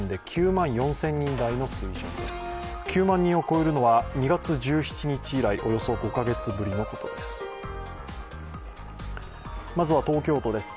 ９万人を超えるのは、２月１７日以来およそ５カ月ぶりのことです。